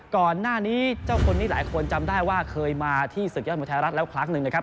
ก่อนหน้านี้เจ้าคนนี้หลายคนจำได้ว่าเคยมาที่ศึกยอดมวยไทยรัฐแล้วครั้งหนึ่งนะครับ